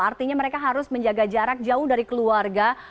artinya mereka harus menjaga jarak jauh dari keluarga